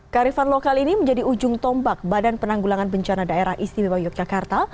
karifan lokal ini menjadi ujung tombak badan penanggulangan bencana daerah istimewa yogyakarta